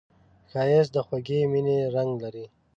ښایست د خوږې مینې رنګ لري